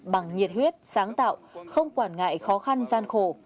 bằng nhiệt huyết sáng tạo không quản ngại khó khăn gian khổ